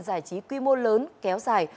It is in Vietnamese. giải trí quy mô lớn kéo dài